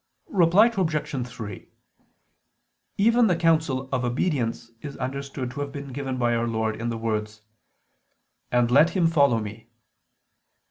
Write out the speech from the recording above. Reply Obj. 3: Even the counsel of obedience is understood to have been given by Our Lord in the words: "And [let him] follow Me."